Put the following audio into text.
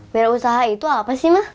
biar usaha itu apa sih ma